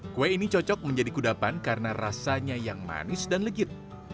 kue ini cocok menjadi kudapan karena rasanya yang manis dan legit